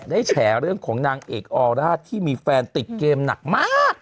แฉเรื่องของนางเอกออร่าที่มีแฟนติดเกมหนักมาก